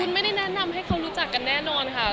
คุณไม่ได้แนะนำให้เขารู้จักกันแน่นอนค่ะ